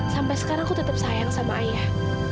sampai sekarang aku tetap sayang sama ayah